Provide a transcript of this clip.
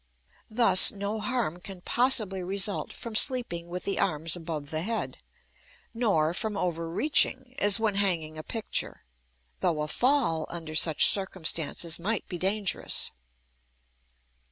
Thus, no harm can possibly result from sleeping with the arms above the head; nor from "over reaching," as when hanging a picture, though a fall under such circumstances might be dangerous.